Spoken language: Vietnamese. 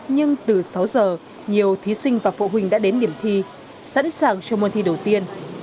nhưng từ sáu giờ nhiều thí sinh và phụ huynh đã đến điểm thi sẵn sàng cho môn thi đầu tiên